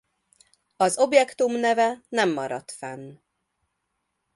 Az objektum neve nem maradt fenn.